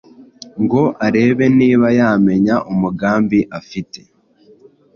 ngo arebe niba yamenya umugambi afite,